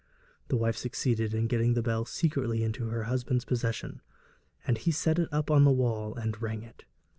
The wife succeeded in getting the bell secretly into her husband's possession, and he set it up on the wall and rang it.